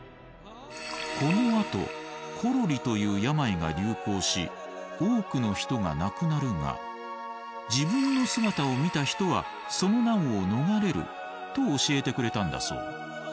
このあところりという病が流行し多くの人が亡くなるが自分の姿を見た人はその難を逃れると教えてくれたんだそう。